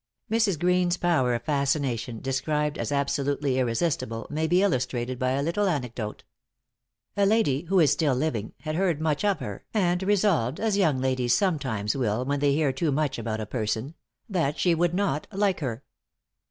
Mrs. Greene's power of fascination, described as absolutely irresistible, may be illustrated by a little anecdote. A lady, who is still living, had heard much of her, and resolved as young ladies sometimes will when they hear too much about a person that she would not like her.